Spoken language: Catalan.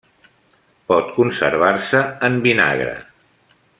Pot conservar-se en vinagre.